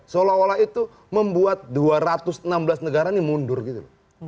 seolah olah itu membuat dua ratus enam belas negara ini mundur gitu